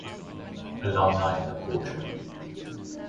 Alumni in the portrait.